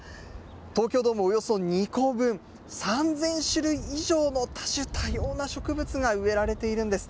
東京ドームおよそ２個分、３０００種類以上の多種多様な植物が植えられているんです。